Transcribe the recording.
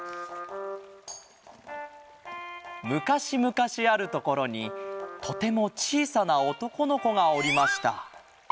むかしむかしあるところにとてもちいさなおとこのこがおりました。